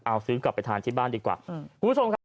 เอาซื้อกลับไปทานที่บ้านดีกว่าคุณผู้ชมครับ